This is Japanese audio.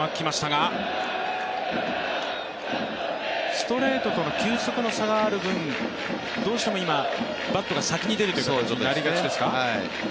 ストレートとの球速の差がある分、どうしても今、バットが先に出るという形になりそうですか？